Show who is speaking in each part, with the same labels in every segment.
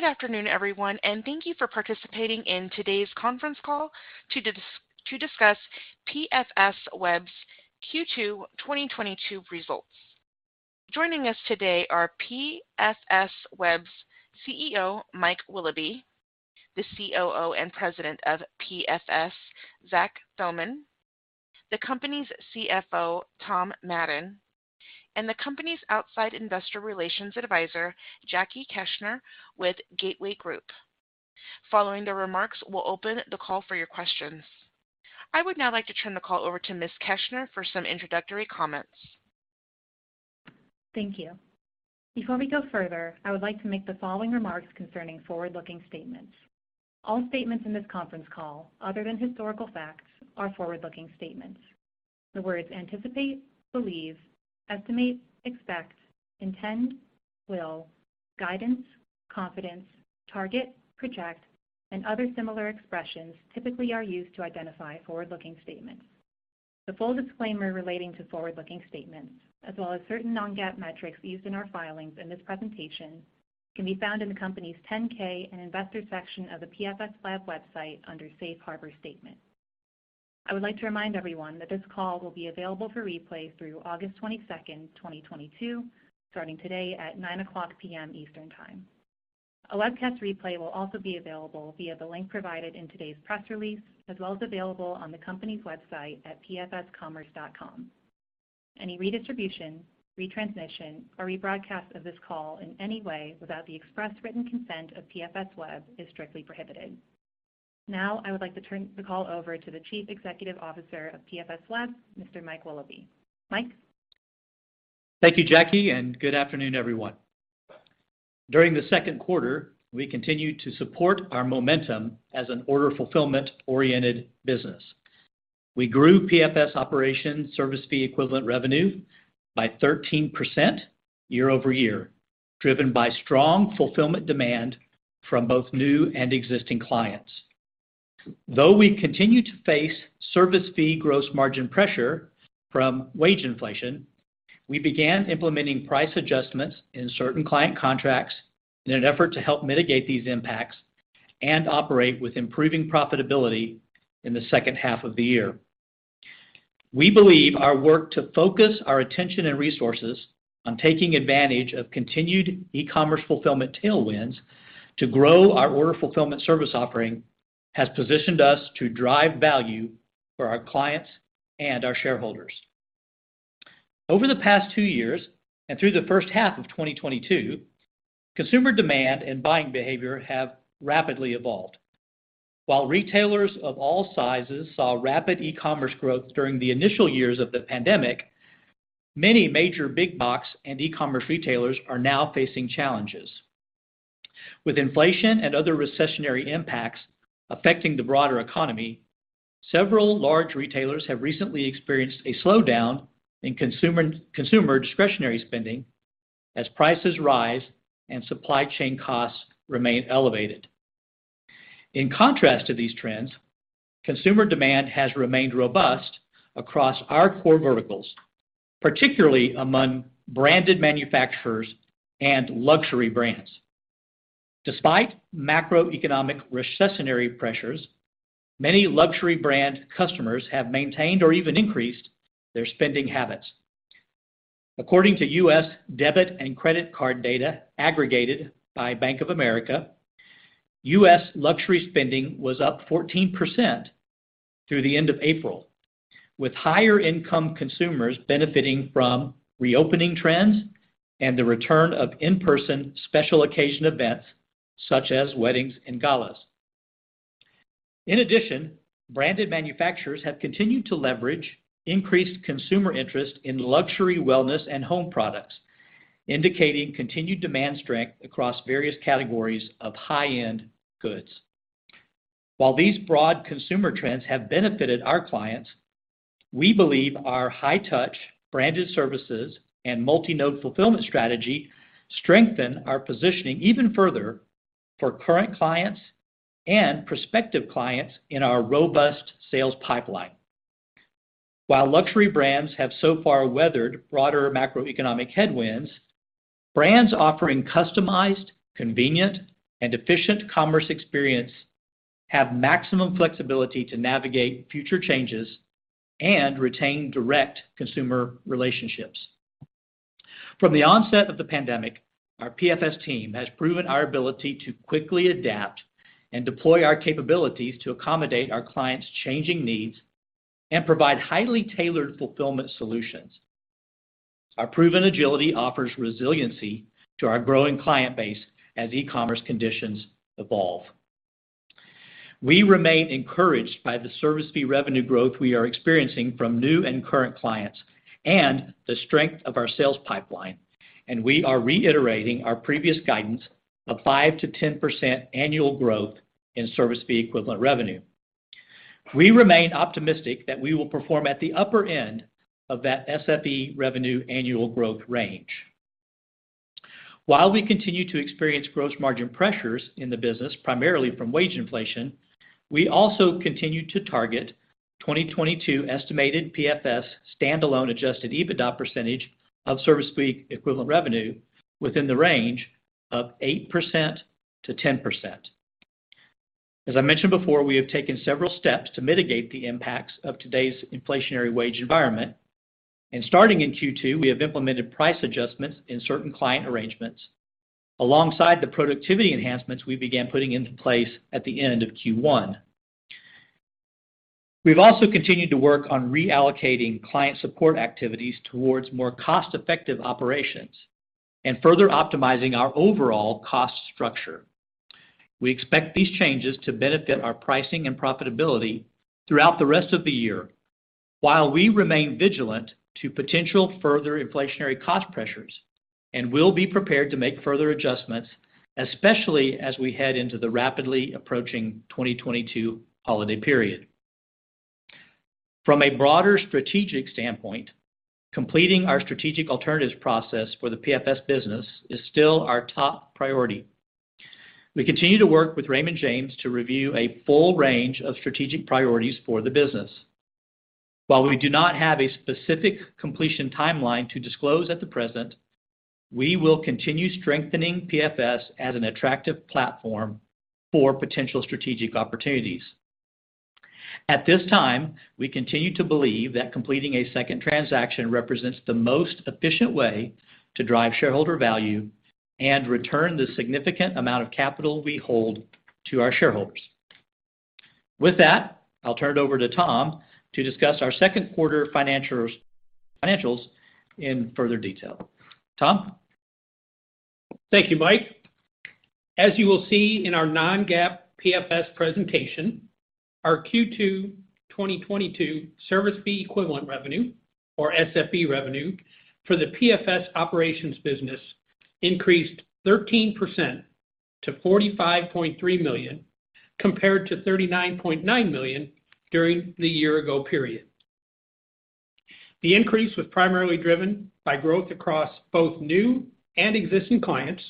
Speaker 1: Good afternoon, everyone, and thank you for participating in today's conference call to discuss PFSweb's Q2 2022 results. Joining us today are PFSweb's Chief Executive Officer, Mike Willoughby, the Chief Operating Officer and President of PFS, Zach Thomann, the company's Chief Financial Officer, Tom Madden, and the company's outside investor relations advisor, Jackie Keshner with Gateway Group. Following the remarks, we'll open the call for your questions. I would now like to turn the call over to Ms. Keshner for some introductory comments.
Speaker 2: Thank you. Before we go further, I would like to make the following remarks concerning forward-looking statements. All statements in this conference call, other than historical facts, are forward-looking statements. The words anticipate, believe, estimate, expect, intend, will, guidance, confidence, target, project, and other similar expressions, typically are used to identify forward-looking statements. The full disclaimer relating to forward-looking statements, as well as certain Non-GAAP metrics used in our filings in this presentation can be found in the company's 10-K in investor section of the PFSweb website under Safe Harbor Statement. I would like to remind everyone that this call will be available for replay through August 22nd, 2022, starting today at 9:00 P.M. Eastern Time. A webcast replay will also be available via the link provided in today's press release, as well as available on the company's website at pfscommerce.com. Any redistribution, retransmission, or rebroadcast of this call in any way without the express written consent of PFSweb is strictly prohibited. Now I would like to turn the call over to the Chief Executive Officer of PFSweb, Mr. Mike Willoughby. Mike?
Speaker 3: Thank you, Jackie, and good afternoon, everyone. During the second quarter, we continued to support our momentum as an order fulfillment-oriented business. We grew PFS operation service fee equivalent revenue by 13% year-over-year, driven by strong fulfillment demand from both new and existing clients. Though we continue to face service fee gross margin pressure from wage inflation, we began implementing price adjustments in certain client contracts in an effort to help mitigate these impacts and operate with improving profitability in the second half of the year. We believe our work to focus our attention and resources on taking advantage of continued e-commerce fulfillment tailwinds to grow our order fulfillment service offering has positioned us to drive value for our clients and our shareholders. Over the past two years and through the first half of 2022, consumer demand and buying behavior have rapidly evolved. While retailers of all sizes saw rapid e-commerce growth during the initial years of the pandemic, many major big box and e-commerce retailers are now facing challenges. With inflation and other recessionary impacts affecting the broader economy, several large retailers have recently experienced a slowdown in consumer discretionary spending as prices rise and supply chain costs remain elevated. In contrast to these trends, consumer demand has remained robust across our core verticals, particularly among branded manufacturers and luxury brands. Despite macroeconomic recessionary pressures, many luxury brand customers have maintained or even increased their spending habits. According to U.S. debit and credit card data aggregated by Bank of America, U.S. luxury spending was up 14% through the end of April, with higher income consumers benefiting from reopening trends and the return of in-person special occasion events such as weddings and galas. In addition, branded manufacturers have continued to leverage increased consumer interest in luxury wellness and home products, indicating continued demand strength across various categories of high-end goods. While these broad consumer trends have benefited our clients, we believe our high touch branded services and multi-node fulfillment strategy strengthen our positioning even further for current clients and prospective clients in our robust sales pipeline. While luxury brands have so far weathered broader macroeconomic headwinds, brands offering customized, convenient, and efficient commerce experience have maximum flexibility to navigate future changes and retain direct consumer relationships. From the onset of the pandemic, our PFS team has proven our ability to quickly adapt and deploy our capabilities to accommodate our clients' changing needs and provide highly tailored fulfillment solutions. Our proven agility offers resiliency to our growing client base as e-commerce conditions evolve. We remain encouraged by the service fee revenue growth we are experiencing from new and current clients and the strength of our sales pipeline, and we are reiterating our previous guidance of 5%-10% annual growth in service fee equivalent revenue. We remain optimistic that we will perform at the upper end of that SFE revenue annual growth range. While we continue to experience gross margin pressures in the business, primarily from wage inflation, we also continue to target 2022 estimated PFS standalone adjusted EBITDA percentage of service fee equivalent revenue within the range of 8%-10%. As I mentioned before, we have taken several steps to mitigate the impacts of today's inflationary wage environment. Starting in Q2, we have implemented price adjustments in certain client arrangements alongside the productivity enhancements we began putting into place at the end of Q1. We've also continued to work on reallocating client support activities towards more cost-effective operations and further optimizing our overall cost structure. We expect these changes to benefit our pricing and profitability throughout the rest of the year, while we remain vigilant to potential further inflationary cost pressures and will be prepared to make further adjustments, especially as we head into the rapidly approaching 2022 holiday period. From a broader strategic standpoint, completing our strategic alternatives process for the PFS business is still our top priority. We continue to work with Raymond James to review a full range of strategic priorities for the business. While we do not have a specific completion timeline to disclose at the present, we will continue strengthening PFS as an attractive platform for potential strategic opportunities. At this time, we continue to believe that completing a second transaction represents the most efficient way to drive shareholder value and return the significant amount of capital we hold to our shareholders. With that, I'll turn it over to Tom to discuss our second quarter financials in further detail. Tom?
Speaker 4: Thank you, Mike. As you will see in our Non-GAAP PFS presentation, our Q2 2022 service fee equivalent revenue, or SFE revenue, for the PFS operations business increased 13% to $45.3 million, compared to $39.9 million during the year ago period. The increase was primarily driven by growth across both new and existing clients,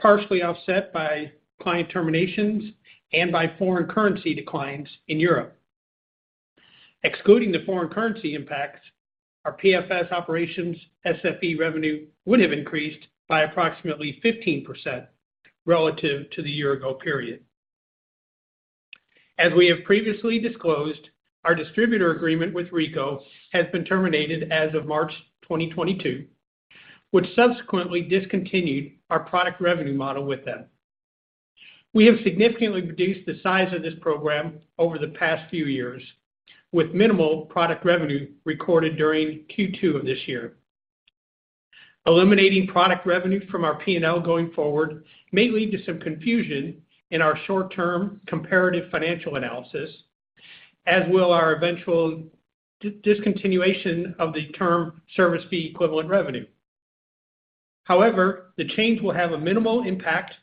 Speaker 4: partially offset by client terminations and by foreign currency declines in Europe. Excluding the foreign currency impacts, our PFS operations SFE revenue would have increased by approximately 15% relative to the year ago period. As we have previously disclosed, our distributor agreement with Ricoh has been terminated as of March 2022, which subsequently discontinued our product revenue model with them. We have significantly reduced the size of this program over the past few years, with minimal product revenue recorded during Q2 of this year. Eliminating product revenue from our P&L going forward may lead to some confusion in our short-term comparative financial analysis, as will our eventual discontinuation of the term service fee equivalent revenue. However, the change will have a minimal impact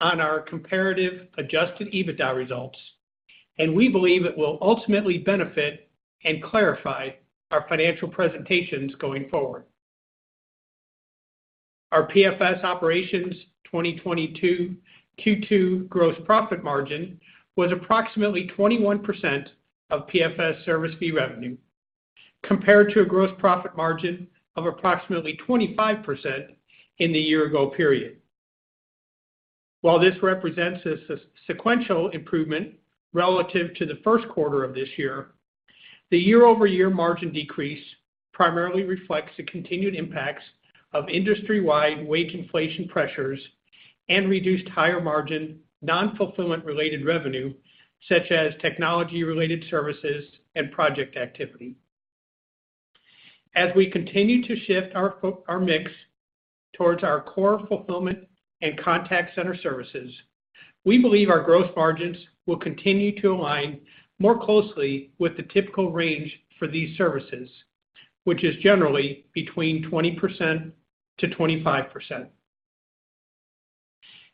Speaker 4: on our comparative adjusted EBITDA results, and we believe it will ultimately benefit and clarify our financial presentations going forward. Our PFS operations 2022 Q2 gross profit margin was approximately 21% of PFS service fee revenue, compared to a gross profit margin of approximately 25% in the year ago period. While this represents a sequential improvement relative to the first quarter of this year, the year-over-year margin decrease primarily reflects the continued impacts of industry-wide wage inflation pressures and reduced higher margin non-fulfillment related revenue, such as technology-related services and project activity. As we continue to shift our mix towards our core fulfillment and contact center services, we believe our gross margins will continue to align more closely with the typical range for these services, which is generally between 20%-25%.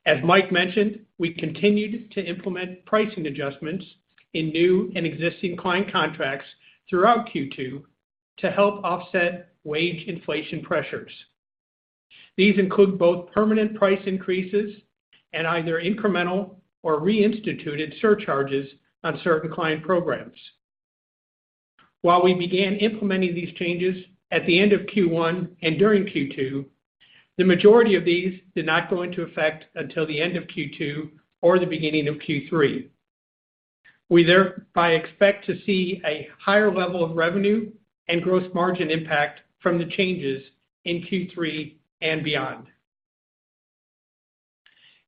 Speaker 4: As Mike mentioned, we continued to implement pricing adjustments in new and existing client contracts throughout Q2 to help offset wage inflation pressures. These include both permanent price increases and either incremental or reinstituted surcharges on certain client programs. While we began implementing these changes at the end of Q1 and during Q2, the majority of these did not go into effect until the end of Q2 or the beginning of Q3. We thereby expect to see a higher level of revenue and gross margin impact from the changes in Q3 and beyond.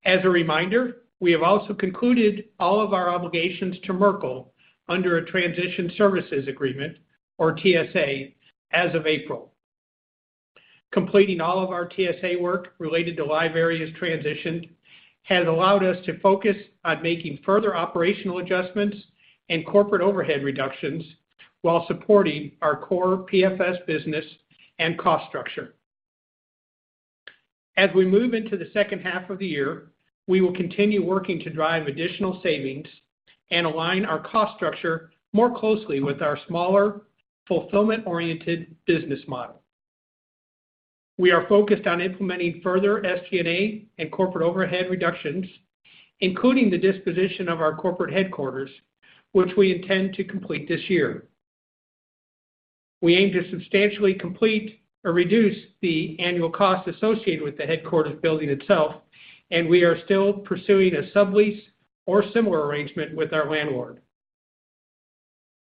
Speaker 4: As a reminder, we have also concluded all of our obligations to Merkle under a transition services agreement or TSA as of April. Completing all of our TSA work related to LiveArea's transition has allowed us to focus on making further operational adjustments and corporate overhead reductions while supporting our core PFS business and cost structure. As we move into the second half of the year, we will continue working to drive additional savings and align our cost structure more closely with our smaller fulfillment-oriented business model. We are focused on implementing further SG&A and corporate overhead reductions, including the disposition of our corporate headquarters, which we intend to complete this year. We aim to substantially complete or reduce the annual cost associated with the headquarters building itself, and we are still pursuing a sublease or similar arrangement with our landlord.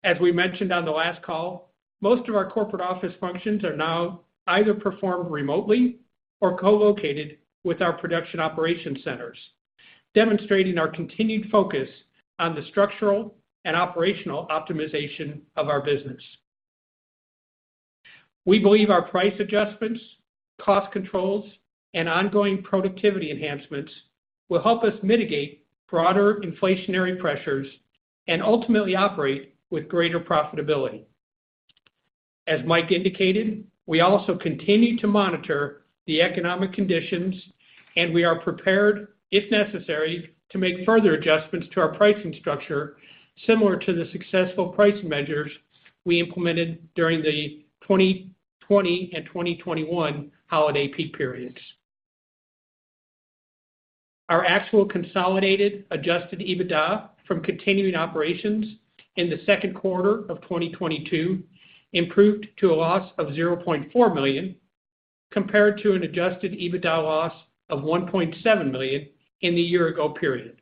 Speaker 4: As we mentioned on the last call, most of our corporate office functions are now either performed remotely or co-located with our production operation centers, demonstrating our continued focus on the structural and operational optimization of our business. We believe our price adjustments, cost controls, and ongoing productivity enhancements will help us mitigate broader inflationary pressures and ultimately operate with greater profitability. As Mike indicated, we also continue to monitor the economic conditions, and we are prepared, if necessary, to make further adjustments to our pricing structure similar to the successful pricing measures we implemented during the 2020 and 2021 holiday peak periods. Our actual consolidated adjusted EBITDA from continuing operations in the second quarter of 2022 improved to a loss of $0.4 million, compared to an adjusted EBITDA loss of $1.7 million in the year-ago period.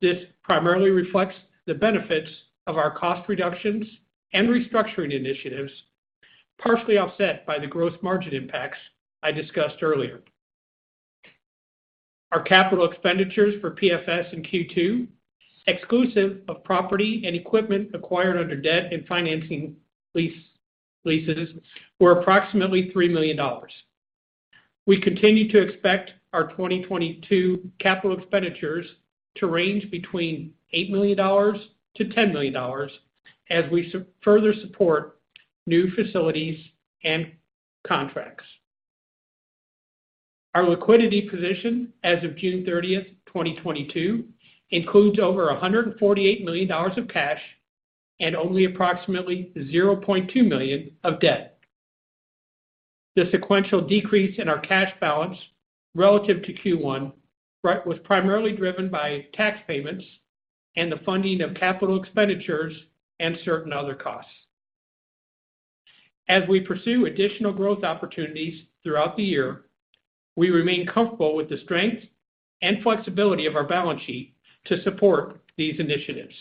Speaker 4: This primarily reflects the benefits of our cost reductions and restructuring initiatives, partially offset by the gross margin impacts I discussed earlier. Our capital expenditures for PFS in Q2, exclusive of property and equipment acquired under debt and financing leases, were approximately $3 million. We continue to expect our 2022 capital expenditures to range between $8 million-$10 million as we further support new facilities and contracts. Our liquidity position as of June 30th, 2022, includes over $148 million of cash and only approximately $0.2 million of debt. The sequential decrease in our cash balance relative to Q1 prior was primarily driven by tax payments and the funding of capital expenditures and certain other costs. As we pursue additional growth opportunities throughout the year, we remain comfortable with the strength and flexibility of our balance sheet to support these initiatives.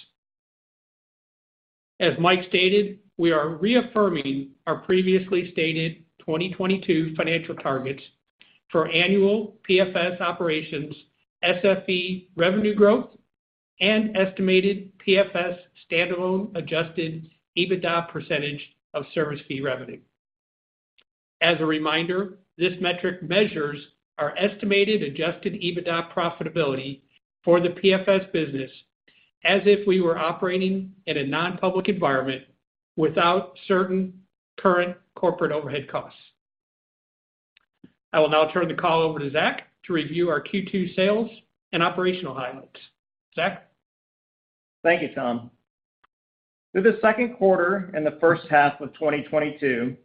Speaker 4: As Mike stated, we are reaffirming our previously stated 2022 financial targets for annual PFS operations, SFE revenue growth, and estimated PFS standalone adjusted EBITDA percentage of service fee revenue. As a reminder, this metric measures our estimated adjusted EBITDA profitability for the PFS business as if we were operating in a non-public environment without certain current corporate overhead costs. I will now turn the call over to Zach to review our Q2 sales and operational highlights. Zach.
Speaker 5: Thank you, Tom. Through the second quarter and the first half of 2022,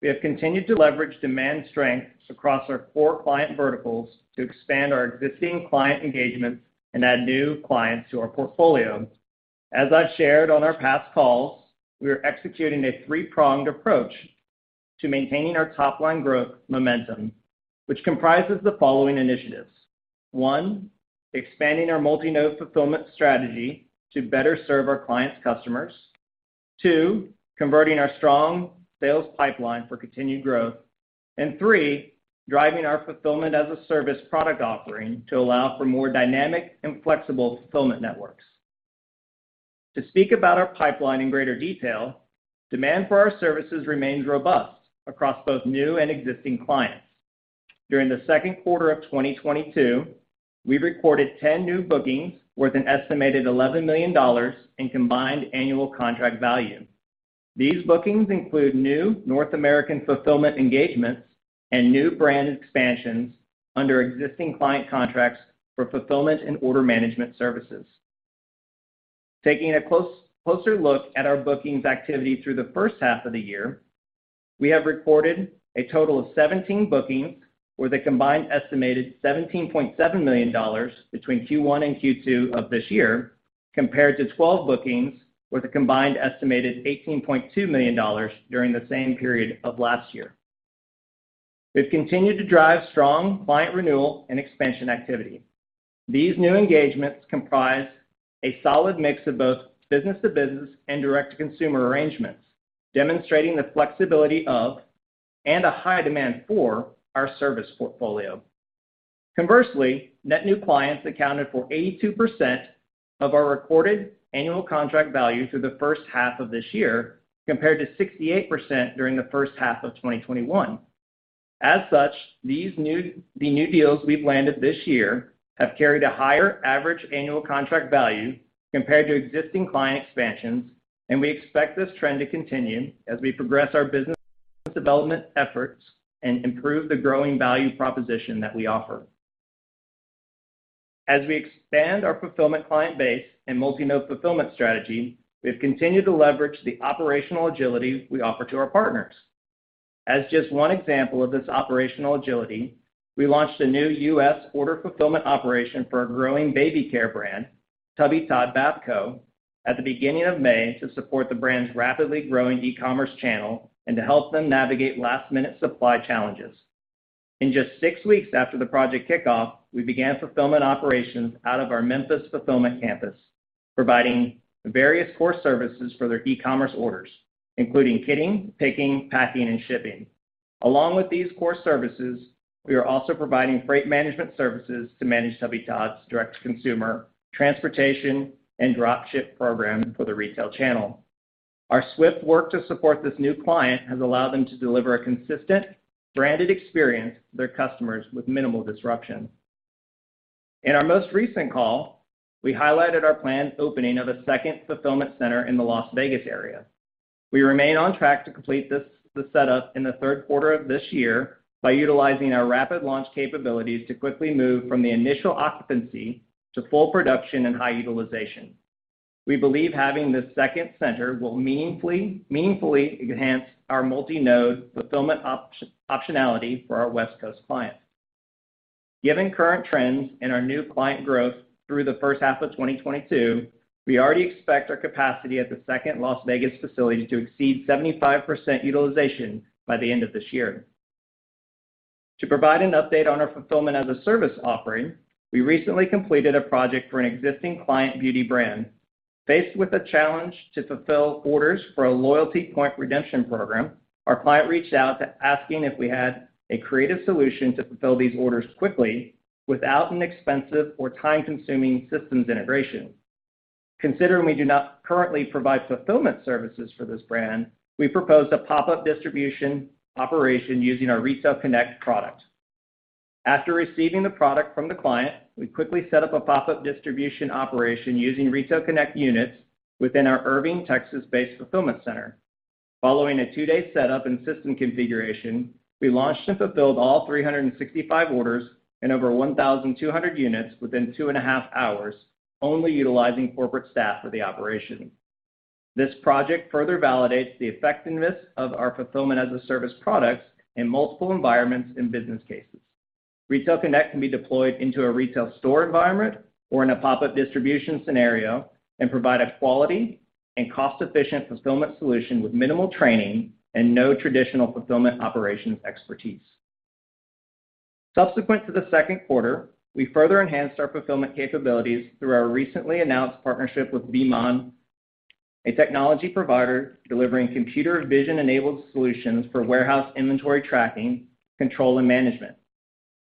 Speaker 5: we have continued to leverage demand strengths across our core client verticals to expand our existing client engagements and add new clients to our portfolio. As I've shared on our past calls, we are executing a three-pronged approach to maintaining our top-line growth momentum, which comprises the following initiatives. One, expanding our multi-node fulfillment strategy to better serve our clients' customers. Two, converting our strong sales pipeline for continued growth. Three, driving our Fulfillment-as-a-Service product offering to allow for more dynamic and flexible fulfillment networks. To speak about our pipeline in greater detail, demand for our services remains robust across both new and existing clients. During the second quarter of 2022, we recorded 10 new bookings worth an estimated $11 million in combined Annual Contract Value. These bookings include new North American fulfillment engagements and new brand expansions under existing client contracts for fulfillment and order management services. Taking a closer look at our bookings activity through the first half of the year, we have recorded a total of 17 bookings with a combined estimated $17.7 million between Q1 and Q2 of this year, compared to 12 bookings with a combined estimated $18.2 million during the same period of last year. We've continued to drive strong client renewal and expansion activity. These new engagements comprise a solid mix of both business-to-business and direct-to-consumer arrangements, demonstrating the flexibility of and a high demand for our service portfolio. Conversely, net new clients accounted for 82% of our recorded annual contract value through the first half of this year, compared to 68% during the first half of 2021. As such, the new deals we've landed this year have carried a higher average annual contract value compared to existing client expansions, and we expect this trend to continue as we progress our business development efforts and improve the growing value proposition that we offer. As we expand our fulfillment client base and multi-node fulfillment strategy, we've continued to leverage the operational agility we offer to our partners. As just one example of this operational agility, we launched a new U.S. order fulfillment operation for a growing baby care brand, Tubby Todd Bath Co., at the beginning of May to support the brand's rapidly growing e-commerce channel and to help them navigate last-minute supply challenges. In just six weeks after the project kickoff, we began fulfillment operations out of our Memphis fulfillment campus, providing various core services for their e-commerce orders, including kitting, picking, packing, and shipping. Along with these core services, we are also providing freight management services to manage Tubby Todd's direct-to-consumer transportation and drop ship program for the retail channel. Our swift work to support this new client has allowed them to deliver a consistent branded experience to their customers with minimal disruption. In our most recent call, we highlighted our planned opening of a second fulfillment center in the Las Vegas area. We remain on track to complete this setup in the third quarter of this year by utilizing our rapid launch capabilities to quickly move from the initial occupancy to full production and high utilization. We believe having this second center will meaningfully enhance our multi-node fulfillment optionality for our West Coast clients. Given current trends and our new client growth through the first half of 2022, we already expect our capacity at the second Las Vegas facility to exceed 75% utilization by the end of this year. To provide an update on our fulfillment-as-a-service offering, we recently completed a project for an existing client beauty brand. Faced with a challenge to fulfill orders for a loyalty point redemption program, our client reached out asking if we had a creative solution to fulfill these orders quickly without an expensive or time-consuming systems integration. Considering we do not currently provide fulfillment services for this brand, we proposed a pop-up distribution operation using our Retail Connect product. After receiving the product from the client, we quickly set up a pop-up distribution operation using Retail Connect units within our Irving, Texas-based fulfillment center. Following a two-day setup and system configuration, we launched and fulfilled all 365 orders and over 1,200 units within two and a half hours, only utilizing corporate staff for the operation. This project further validates the effectiveness of our Fulfillment-as-a-Service products in multiple environments and business cases. Retail Connect can be deployed into a retail store environment or in a pop-up distribution scenario and provide a quality and cost-efficient fulfillment solution with minimal training and no traditional fulfillment operations expertise. Subsequent to the second quarter, we further enhanced our fulfillment capabilities through our recently announced partnership with Vimaan, a technology provider delivering computer vision-enabled solutions for warehouse inventory tracking, control, and management.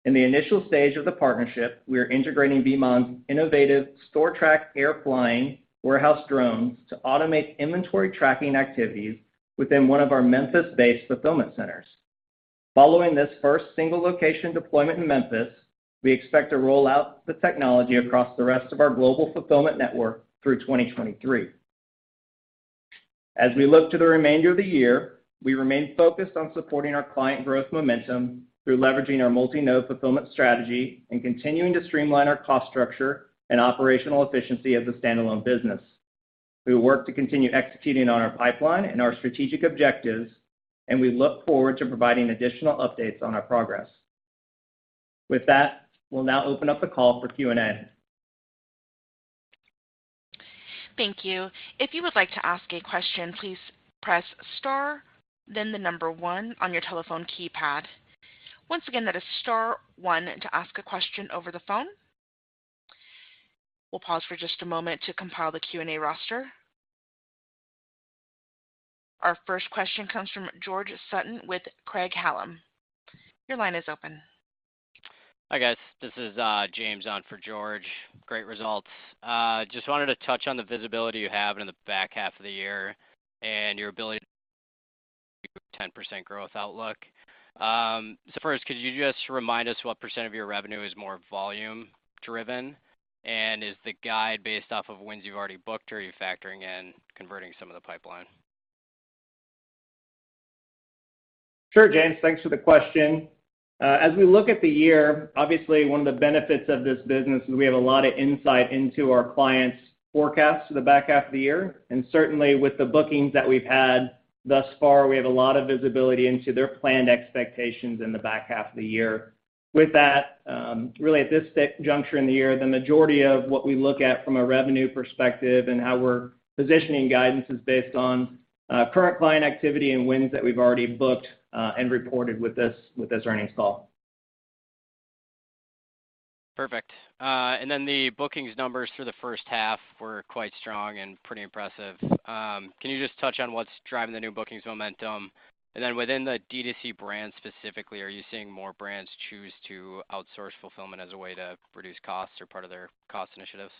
Speaker 5: In the initial stage of the partnership, we are integrating Vimaan's innovative StoreTrack Air Flying warehouse drones to automate inventory tracking activities within one of our Memphis-based fulfillment centers. Following this first single location deployment in Memphis, we expect to roll out the technology across the rest of our global fulfillment network through 2023. As we look to the remainder of the year, we remain focused on supporting our client growth momentum through leveraging our multi-node fulfillment strategy and continuing to streamline our cost structure and operational efficiency as a standalone business. We will work to continue executing on our pipeline and our strategic objectives, and we look forward to providing additional updates on our progress. With that, we'll now open up the call for Q&A.
Speaker 1: Thank you. If you would like to ask a question, please press star, then the number one on your telephone keypad. Once again, that is star one to ask a question over the phone. We'll pause for just a moment to compile the Q&A roster. Our first question comes from George Sutton with Craig-Hallum. Your line is open.
Speaker 6: Hi, guys. This is James on for George Sutton. Great results. Just wanted to touch on the visibility you have in the back half of the year and your ability to 10% growth outlook. So first, could you just remind us what % of your revenue is more volume driven, and is the guide based off of wins you've already booked, or are you factoring in converting some of the pipeline?
Speaker 5: Sure, James. Thanks for the question. As we look at the year, obviously one of the benefits of this business is we have a lot of insight into our clients' forecasts for the back half of the year. Certainly with the bookings that we've had thus far, we have a lot of visibility into their planned expectations in the back half of the year. With that, really at this juncture in the year, the majority of what we look at from a revenue perspective and how we're positioning guidance is based on current client activity and wins that we've already booked and reported with this earnings call.
Speaker 6: Perfect. The bookings numbers for the first half were quite strong and pretty impressive. Can you just touch on what's driving the new bookings momentum? Within the D2C brand specifically, are you seeing more brands choose to outsource fulfillment as a way to reduce costs or part of their cost initiatives?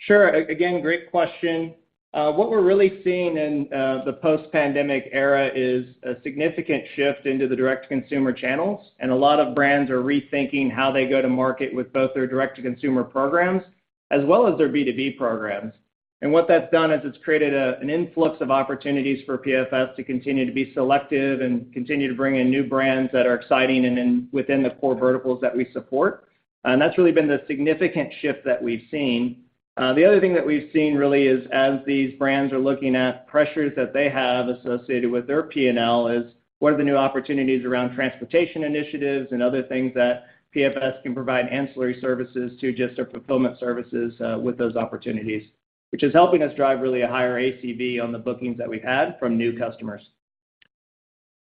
Speaker 5: Sure. Again, great question. What we're really seeing in the post-pandemic era is a significant shift into the direct-to-consumer channels, and a lot of brands are rethinking how they go to market with both their direct-to-consumer programs as well as their B2B programs. What that's done is it's created an influx of opportunities for PFS to continue to be selective and continue to bring in new brands that are exciting and within the core verticals that we support. That's really been the significant shift that we've seen. The other thing that we've seen really is as these brands are looking at pressures that they have associated with their P&L is what are the new opportunities around transportation initiatives and other things that PFS can provide ancillary services to just our fulfillment services, with those opportunities, which is helping us drive really a higher ACV on the bookings that we've had from new customers.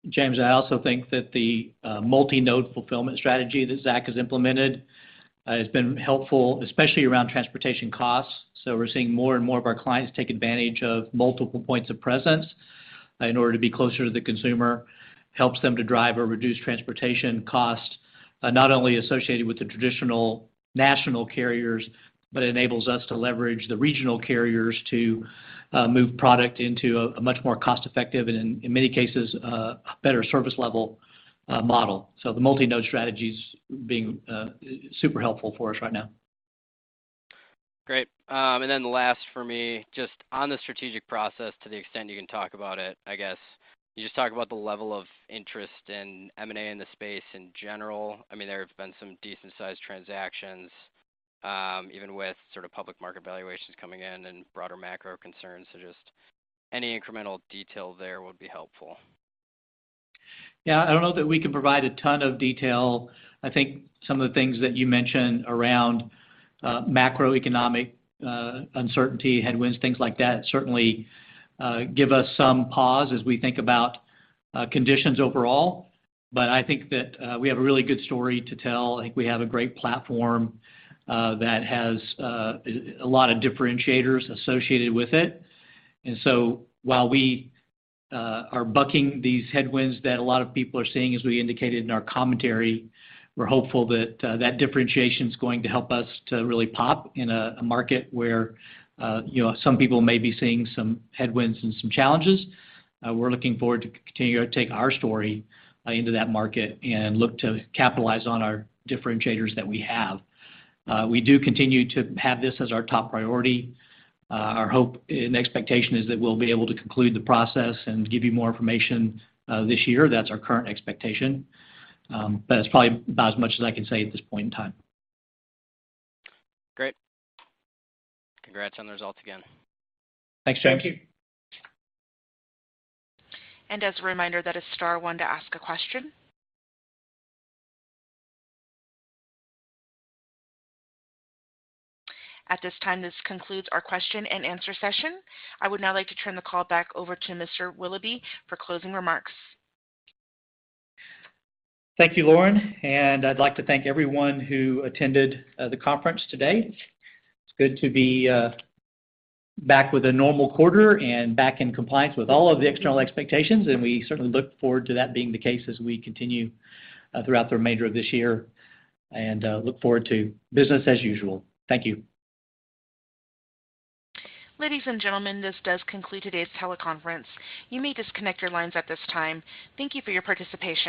Speaker 3: James, I also think that the multi-node fulfillment strategy that Zach has implemented has been helpful, especially around transportation costs. We're seeing more and more of our clients take advantage of multiple points of presence in order to be closer to the consumer, helps them to drive or reduce transportation costs not only associated with the traditional national carriers, but enables us to leverage the regional carriers to move product into a much more cost-effective and in many cases, a better service level model. The multi-node strategy's being super helpful for us right now.
Speaker 6: Great. Last for me, just on the strategic process to the extent you can talk about it, I guess. Can you just talk about the level of interest in M&A in the space in general? I mean, there have been some decent-sized transactions, even with sort of public market valuations coming in and broader macro concerns. Just any incremental detail there would be helpful.
Speaker 3: Yeah. I don't know that we can provide a ton of detail. I think some of the things that you mentioned around macroeconomic uncertainty, headwinds, things like that, certainly give us some pause as we think about conditions overall. But I think that we have a really good story to tell. I think we have a great platform that has a lot of differentiators associated with it. While we are bucking these headwinds that a lot of people are seeing, as we indicated in our commentary, we're hopeful that that differentiation is going to help us to really pop in a market where, you know, some people may be seeing some headwinds and some challenges. We're looking forward to continue to take our story into that market and look to capitalize on our differentiators that we have. We do continue to have this as our top priority. Our hope and expectation is that we'll be able to conclude the process and give you more information this year. That's our current expectation. That's probably about as much as I can say at this point in time.
Speaker 6: Great. Congrats on the results again.
Speaker 3: Thanks, James.
Speaker 5: Thank you.
Speaker 1: As a reminder, that is star one to ask a question. At this time, this concludes our question and answer session. I would now like to turn the call back over to Mr. Willoughby for closing remarks.
Speaker 3: Thank you, Lauren. I'd like to thank everyone who attended the conference today. It's good to be back with a normal quarter and back in compliance with all of the external expectations, and we certainly look forward to that being the case as we continue throughout the remainder of this year, and look forward to business as usual. Thank you.
Speaker 1: Ladies and gentlemen, this does conclude today's teleconference. You may disconnect your lines at this time. Thank you for your participation.